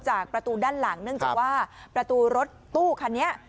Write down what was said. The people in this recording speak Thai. ประตูด้านหลังเนื่องจากว่าประตูรถตู้คันนี้